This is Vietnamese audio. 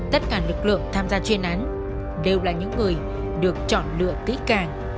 tất cả lực lượng tham gia chuyên án đều là những người được chọn lựa kỹ càng